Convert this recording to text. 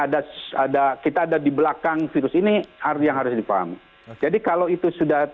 jadi kalau itu sudah terpenuhi dan juga sudah bergumlah didalam keanginan